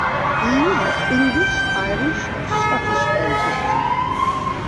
He has English, Irish, and Scottish ancestry.